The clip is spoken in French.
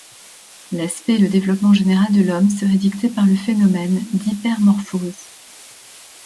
L’aspect et le développement général de l’Homme seraient dictés par le phénomène d’hypermorphose.